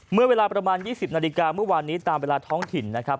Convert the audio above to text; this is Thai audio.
เมื่อเวลาประมาณ๒๐นาฬิกาเมื่อวานนี้ตามเวลาท้องถิ่นนะครับ